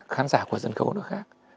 khán giả của sân khấu nó khác